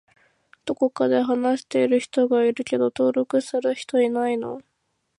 どこかで話している人がいるけど登録する人いないの？